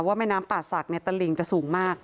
แม่น้ำป่าศักดิ์ตะหลิงจะสูงมาก